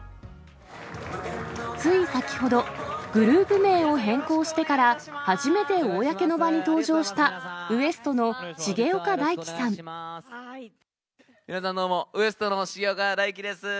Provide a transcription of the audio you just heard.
つい先ほど、グループ名を変更してから初めて公の場に登場したＷＥＳＴ．の重皆さんどうも、ＷＥＳＴの重岡大毅です。